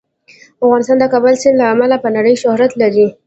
افغانستان د کابل سیند له امله په نړۍ شهرت لري.